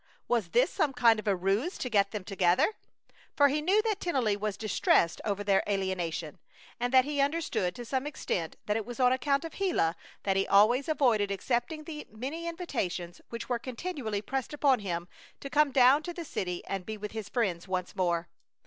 Was this some kind of a ruse to get them together? For he knew that Tennelly was distressed over their alienation, and that he understood to some extent that it was on account of Gila that he always avoided accepting the many invitations which were continually pressed upon him to come down to the city and be with his friends once more.